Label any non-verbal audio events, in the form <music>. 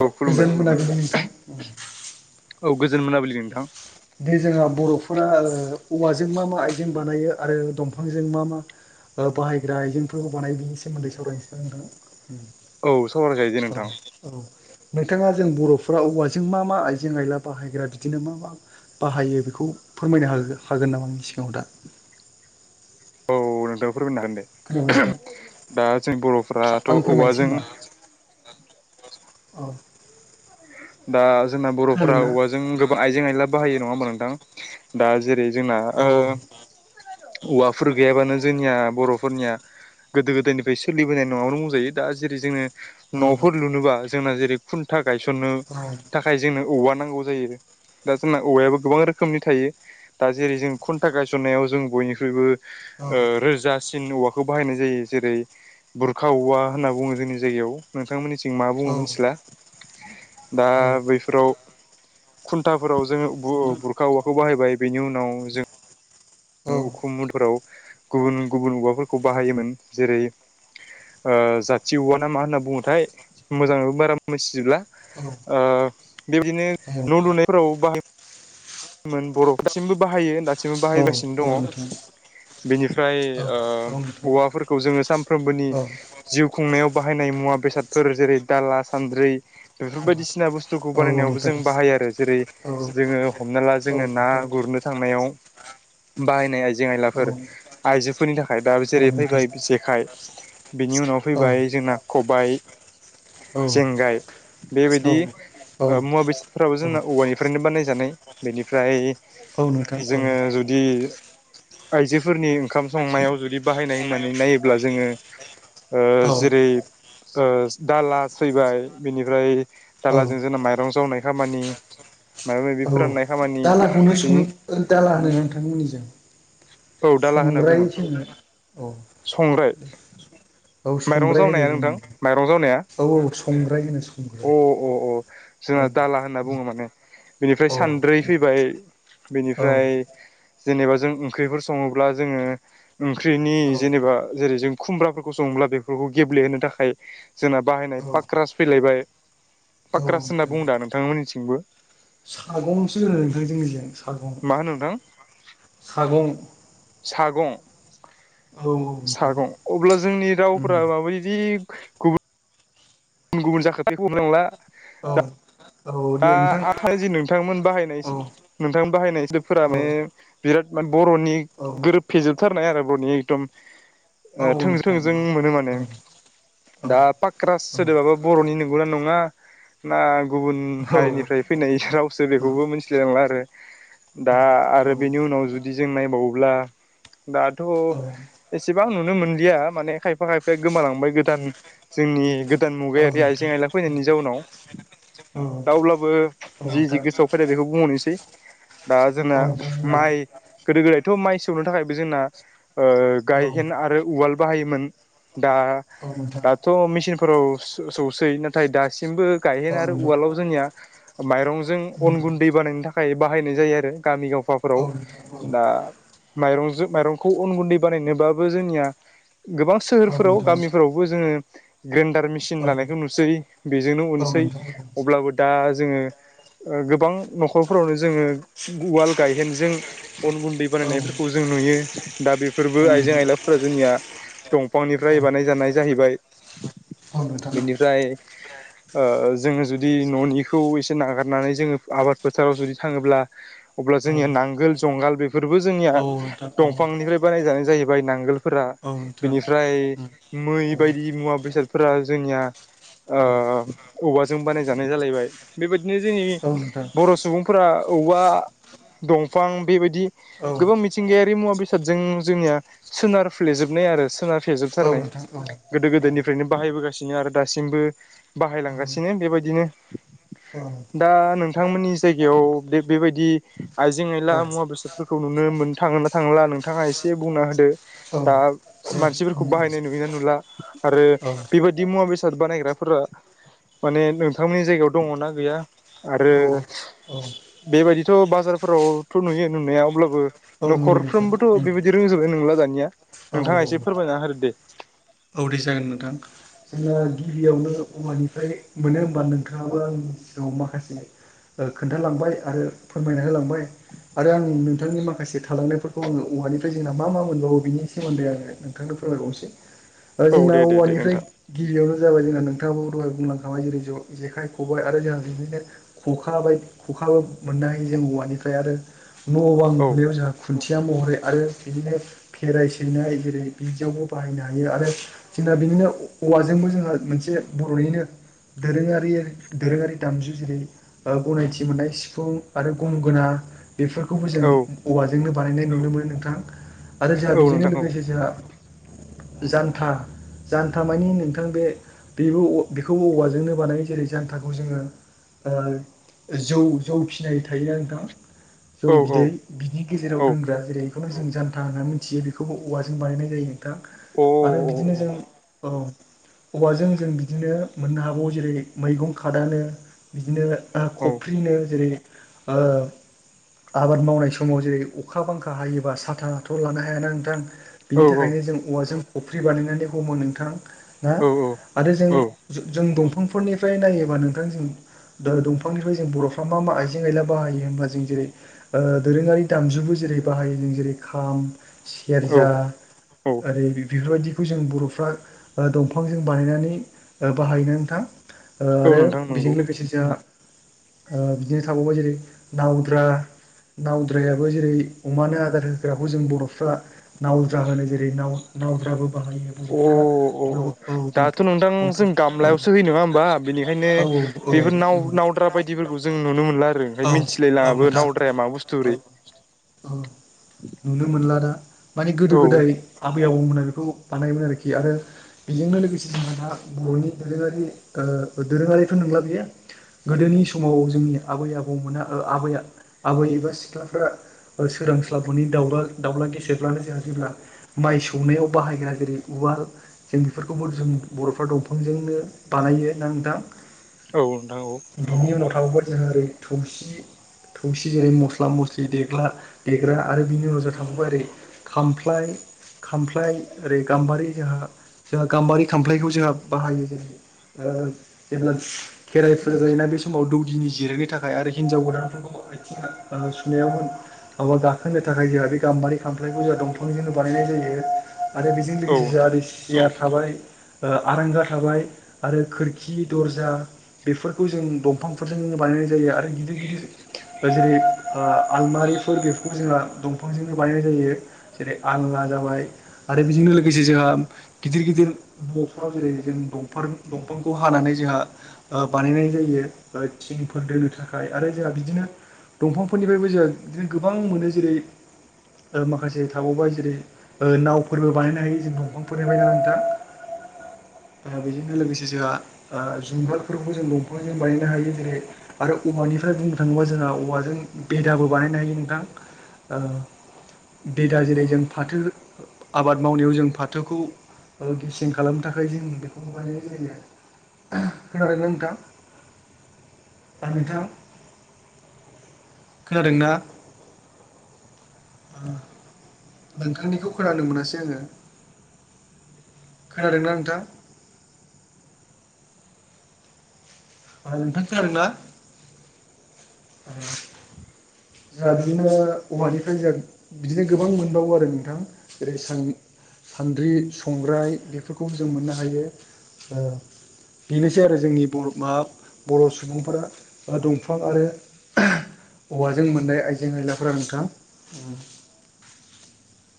औ गोजोन खुलुमबाय मोनाबिलि नोंथां खुलुमबाय औ गोजोन मोनाबिलिनि नोंथां। बे जोंहा बर'फोरा ओ औवाजों मा मा आइजें बानायो आरो दंफांजों मा मा बाहायग्रा आइजेंफोरखौ बानाय बिनि सोमोन्दै सावरायनोसैदा नोंथां। औ सावरायजायो जे नोंथां औ'स औ। नोंथाङा जों बर'फोरा औवाजों मा मा आइजें आयला बाहायग्रा बिदिनो मा मा बाहायो बेखौ फोरमायनो हागो हागोन नामा आंनि सिगाङाव दा। फोरमायोनो हागोन दे खोनाबाय नोंथां दा जों बर'फोरा थ'औवाजों अ। दा जोंना बर'फ्रा औवाजों गोबां आइजें आयला बाहायो नङा होमा नोंथां दा जेरै- जोंना औ ओ औवाफोर गैयाबानो जोंनिया बर'फोरनिया गोदो गोदायनिफ्राय सोलिबोनाय न'आवनो बुंजायो दा जेरै जोङो औ न'फोर लुनोबा जोंना जेरै खुन्था गायसननो औ थाखाय जोंनो औवा नांगौ। गौ जायो। दा जोंना औवायाबो गोबां रोखोमनि थायो दा जेरै जों खुन्था गायसननायाव जों बयनिख्रुइबो ओ रोजास। सिनु औवाखौ बाहायनाय जायो जेरै बुरखा औवा होनना बुङो जोंनि जायगायाव नोंथांमोननि थिं जों मा बुंङो मोनथिला दा बैफोराव खुन्थाफोराव जोङो बुर बुरखा औवाखौ बाहायबाय बेनि उनाव जों उखुमोनफोराव गुबुन गुबुन औवाफोरखौ बाहायोमोन जेरै जाथि औवा ना मा होनना बुङोथाय मोजाङो बारा मोनथिजोबला ओ बेबदिनो औ न' लुनायफोराव बाहाय मोन बर' दासिमबो बाहायो दासिमबो औ बाहायगासिनो औ नोंथां दङ। बेनिफ्राय औ नोंथां ओ औवाफोरखौ जोङो सानफ्रोमबोनि औ जिउ खुंनायाव बाहायनाय मुवा बेसादफोर जेरै दाला सान्द्रि बेफोर औ बायदिसिना बुस्थुखौ औ बानायनायावबो नोंथां जों औ बाहायो आरो जेरै औ नोंथां जोङो हमना ला औ जोङो ना नोंथां गुरनो थांनायाव बाहायनाय आयजे आइजें औ आइलाफोर आइजोफोरनि थाखाय दा औ जेरै नोंथां फैबाय जेखाइ बिनि उनाव फैबाय जोंना खबायाइ। जेंगाय बेबायदि ओ मुवा बेसादफोराबो जोंना औवानिफ्रायनो बानायजानाय। बेनिफ्राय जोङो जुदि आइजोफोरनि ओंखाम संनायाव जुदि बाहायनाय होननानै नायोब्ला जोङो ओ औ औ जेरै ओ दाला फैबाय बिनिफ्राय औ दालाजों जोंना माइरं जावनाय खामानि। माबायदि? औ दालाखौनो सों ओ दाला होनो नोंथांमोननिजों? औ दाला होनना संग्राय बुङो जोङो औ संग्राय। औ माइरं संग्राय होनो जावनाया नोंथां जोंनि माइरं जावनाया? औ औ संग्राय होनो संग्राय अ अ अ औ जोंहा दाला होनना बुङो माने। बेनिफ्राय सानद्रै फैबाय औ बेनिफ्राय जेनेबा जों ओंख्रिफोर सङोब्ला जोङो ओंख्रिनि औ जेनेबा जेरै जों खुमब्राफोरखौ सोङोब्ला बेफोरखौ गेब्लेहोनो थाखाय जोंना बाहायनाय पाक्रास फैलायबाय। औ पाक्रास होनना बुंदा नोंथांमोननिथिंबो साग'सो जोंनिजों मा होनो नोंथां सागं सागं औ नोंथां सागं अब्ला जोंनि उम रावफ्रा माबायदि गुबुन गुबुन गुबुन जाखोथायखौ हनांला <unintelligible> औ- औ दे दा नोंथां आ जि नोंथांमोन बाहायनाय औ नोंथांमोन बाहायनाय सोबफोरा औ माने बिराद <unintelligible> बर'नि औ गोरोब फेजोबथारनाय आरो बर'नि एकदम औ थोंजों- नोंथां औ थोंजों मोनो माने औ दा- पाक्रा औ सोदोबाबा बर'नि नंगौना नङा ना गुबुन औ नोंथां औ नोंथां हारिनिफ्राय फैनाय औ रावसो बेखौबो मिथिलायलांला आरो दा- आरो बेनि उनाव जुदि जों नायबावो अब्ला दाथ' एसेबां नुनो मोन- माने खायफा खायफाया गोमालांबाय गोदान जोंनि गोदान मुगायारि आइजें आइला फैनायनि जाउनाव रावब्लाबो औ नोंथां जि- जि गोसोआव फैदों बेखौ बुंहरनोसै दा- औ जोंना नोंथां माइ गोदो- गोदायथ' माइ- सौनो थाखायबो जोंना ओ- औ गायहेन आरो उवाल बाहायोमोन दा- औ नोंथां दाथ' मेचिनफोराव सौसै नाथाय दासि- मबो औ गायहेन आरो नोंथां उवालाव जोंनिया माइरंजों उम अन गुन्दै बानायनो थाखाय थाखाय बाहायनाय जायो आरो गामि औ गावफाफोराव नोंथां औ दा- माइरंजों माइरंखौ अन गुन्दै बानायनोबाबो जोंनिया गोबां औ सोहोरफोराव नोंथां औ नोंथां औ नोंथां औ गामिफोरावबो जोङो ग्रेन्डार मेसिन नोंथां लानायखौ नुसै बेजोंनो अनसै दा- जोङो गोबां न'खरफोरावनो जोङो उ- उवाल गायहेनजों अन गुन्दै बानायनायफोरखौ जों नुयो दा बेफोरबो आइजें आइलाफोरा जोंनिया दंफांनिफ्राय औ बानाय जानाय जाहैबाय बिनिफ्राय ओ- जोङो जु- दि- न'निखौ नारनानै जोंङो आबाद फोथाराव जुदि थाङोब्ला अब्ला जोंनि नांगोल जंगाल बेफोरबो जोंनिया औ नोंथां औ दंफांनिफ्राय बानायजानाय जाहैबाय नांगोल फोरा औ नोंथां बेनिफ्राय उम मै औ बायदि मुवा बेसादफोरा जोंनिया औ ओ- औवाजों बानायजानाय जालायबाय बेबायदि बिदिनो जोंनि औ नोंथां बर' सुबुंफोरा औवा दंफां बेबायदि औ गोबां मिथिंगायारि मुवा बेसादजों जोंनिया सोनार फ्लेजोबनाय आरो सोनार औ फेेजोबथारनाय नोंथां औ गोदो- गोदोयनि फ्रायनो बाहायबोगासिनो आरो दासिमबो औ बाहायलांगासिनो बेबायदिनो दा- नों नोंथांमोननि जायगायाव बे बेबायदि आइजें औ आइला मुवा बेसादफोरखौ नुनो मोन थाङोना थांलां नोंथाङा एसे बुंना होदो औ दा- जों मानसिफोरखौ उम औ बाहायनाय नुययोना नुला आरो औ बेबायदि मुवा बेसाद बानायग्राफोरा माने नोथांमोननि जायगायाव दङना गैया आरो औ बेबायदिथ' बाजारफोरावथ' नुयो नुनाया अब्लाबो औ नुयो नोंथां न'खरफ्रोमबोथ' उम बेबायदि रोंजोबबाय नंला दानिया औ औ नोंथाङा एसे फोरमायना होदो दे- औ- दे- जागोन नोंथां जोंना गिबियावनो औवानिफ्राय मोनो होमबा नोंथाङाबो आंनि सिगाङाव माखासे ओ- खोन्थालांबाय आरो फोरमायना होलांबाय आरो आं नोंथांनि माखासे थालांनायफोरखौ आङो औवानिफ्राय जोंना मा मा मोनबावो बिनि सोमोन्दै आङो नोंथांनो फोरमायबावनोसै औ जोंना दे दे दे औवानिफ्राय नोंथां गिबियावनो जाबाय जोंना नों- थाङाबो दहाय बुंलांखाबाय जेरै जेखाय खबाइ आरो जोंहा बिदिनो खखा बाय खखाबो मोन- जों औवानिफ्राय आरो न'आव औ लुनायाव जों खुथि- या- महरै आरो बिदिनो खेराइ सैनाय जेरै बिदियावबो बाहायनो हायो हायो आरो जोंना बेनिनो औवाजोंबो जोंहा मोनसे बर'निनो दोरोङारि- दोरोङारि दामजु जेरै ओ- गनायथि मोननाय सिफुं आरो गंगोना बेफोरखौबो जों औ औवाजोंनो बानायनाय नुनो मोनो नोंथां आरो जोंहा औ बेजोंनो नोंथां औ लोगोसे जोंहा जानथा जान्था मानि नोंथां बे बिब्लिअग्राफियाव अ बेखौ औवाजोंनो बानाय जेरै जान्थाखौ जोङो ओ जौ जौ फिनाय थायो नोंथां जौ औ बिदै बिनि गेजेराव औ अ दोनग्रा जेरै बेखौनो जों जान्था होननानै मिथियो बेखौबो औवाजों बानायनाय जायो नोंथां अ आरो बिदिनो जों औ अबाजों जों बिदिनो मोननो हागौ जेरै मैगं खादानो बिदिनो ओ औ खफ्रिनो जेरै ओ आबाद मावनाय समाव जेरै अखा बांखा हायोबा साथाथ' लानो हायाना नोंथां बिनि औ औ थाखायनो जों औवाजों खफ्रि बानायनानै हमो नोंथां ना औ आरो जोंनि औ जों जों दंफांफोरनिफ्राय नायोबा नोंथां जों दो दंफांनिफ्राय जों बर'फ्रा मा मा आइजें आइला बाहायो हनबा जों जेरै ओ दोरोङारि दामजुबो जों जेरै बाहायो जों जेरै खाम औ सेरजा औ ओर बेफोरबायदिखौ जों बर'फ्रा ओ दंफांजों बानायनानै ओ बाहायनो नोंथां ओ औ आरो नोंथां बेजों नंगौ लोगोसे जोंहा ओ बिदिनो थाबावबाय जेरै नावद्रा नावद्रायाबो जेरै अमानो आदार होग्राखौ जों बर'फ्रा नावद्रा होनो जेरै नाव नावद्राबो हौवा फोरनिख्राय अ बर'फ्रा उनाव औ दाथ' नोंथां जों गामलायावसो होयो नङा होमबा बेनिखायनो औ दं <unintelligible> बेफोर नाव नावद्रा बायदिफोरखौ जों नुनो मोनला आरो ओंखाय औ औ मिथिलायलाङाबो नोंथां नावद्राया माबा औ बुस्थुओरै औ नुनो मोनला दा माने गोदो औ गोदाय आबै दवोमोना बेखौ बानायोमोन आरोखि आरो बेजोंनो लोगोसे जोंहादा बर'नि दोरोङारि ओ दोरोङारिथ नंला बेयो गोदोनि समाव जोंनि आबै आबौमोना ओ आबै आबै एबा सिख्लाफोरा ओ सोरांस्लाबनि दाउला दाउला गेेरब्लानो जोंहा जेब्ला माइ सौनायाव बाहायग्रा जेरै उवाल जों बेफोरखौबो जों बर'फ्रा दंफांजोंनो बानाय हायो नानोंथां औ नोंथां औ थावबो जे ओरि थुबसि थौसि जेरै मस्ला मस्लि देग्ला देग्रा आरो बिनि उनाव जाथावमारि खामफ्लाय खामफ्लाय ओरै गाम्बारि जोंहा जोंहा गाम्बारि खामफ्लायखौ जोंहा बाहायो जेरै ओ जेब्ला खेराइ फुजा जायोना बे समाव दौदिनि जिरायनो थाखाय आरो हिनजाव गोदानफोर दङ आथिं ओ सुनायावमोन आवा गाखोनो थाखाय जोंहा बे गाम्बारि खामफ्लायखौ जोंहा दंफांजोंनो बानायनाय जायो आरो बेजों औ लोगोसे नोंथां जोंहा सिया थाबाय ओ आरांगा थाबाय आरो खोरखि दरजा बेफोरखौ जों दंफांफोरजों बानाय बानायनाय जायो आरो गिदिर गिदिर जेरै ओ आलमारिफोर बेफोरखौ जोंहा दंफांजोंनो बायनाय जायो जेरै आंना जाबाय आरो बेजोंनो लोगोसे जोंहा गिदिर गिदिर न'फोराव जेरै जों दंफां जों दंफांखौ हानानै जोंहा ओ बानायनाय जायो ओ थिंफोर दोनो थाखाय आरो जों बि बिदिनो दंफांफोरनिफ्रायबो जों बिदिनो गोबां मोनो जेरै ओ माखासे थाबावबाय जेरै ओ नावफोरबो बानायनो हायो जों दंफांफोरनि फ्रायनो नोंथां <inaudible> ओ बेजोंनो लोगोसे जुंगालफोरखौ जों दंफांजों बानायनो हायो जेरै आरो औवानि ओमफ्राय बुंनो थाङोबा जोंहा औवाजों बेदाबो बानायनो हायो नोंथां ओ बेदा जेरै जों फाथो आबाद मावनायाव जों फाथोखौ ओ गेसें खालामनो थाखाय जों बेखौ बानायनाय जायो खोनादोंना नोंथां आ नोंथां? खोनादोंना आ नोंथांनिखौ खोनानो मोनासै आङो। खोनादोंना नोंथां आ नथां खोनादोंना <inaudible> <inaudible> जोंहा बिदिनो औवानिफ्राय जोंहा बिदिनो गोबां मोनबावो आरो नोंथां जेरै सा सान्द्रि संग्राय बेफोरखौबो जों मोननो हायो। बेनोसै आरो जोंनि बर माबा बर' सुबुंफोरा दंफां आरो औवाजों मोननाय आइजें आयलाफोरा नोंथां <inaudible>